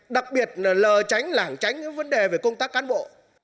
đặc biệt là lờ tránh lảng tránh những vấn đề về công tác cán bộ